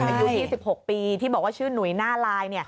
อายุ๒๖ปีที่บอกว่าชื่อหนุ่ยหน้าลาย